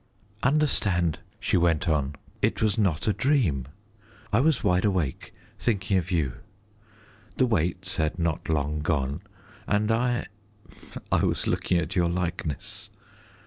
"Understand," she went on, "it was not a dream. I was wide awake, thinking of you. The Waits had not long gone, and I I was looking at your likeness.